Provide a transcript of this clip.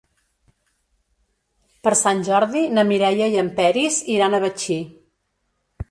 Per Sant Jordi na Mireia i en Peris iran a Betxí.